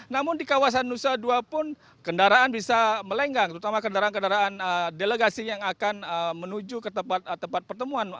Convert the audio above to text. namun di kawasan nusa dua pun kendaraan bisa melenggang terutama kendaraan kendaraan delegasi yang akan menuju ke tempat pertemuan